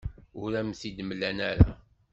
Ur am-t-id-mlan ara.